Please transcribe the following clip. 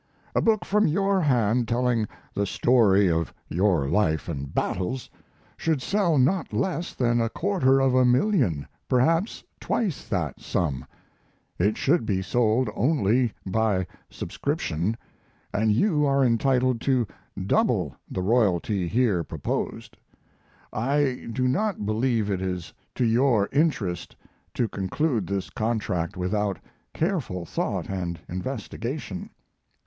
A book from your hand, telling the story of your life and battles, should sell not less than a quarter of a million, perhaps twice that sum. It should be sold only by subscription, and you are entitled to double the royalty here proposed. I do not believe it is to your interest to conclude this contract without careful thought and investigation.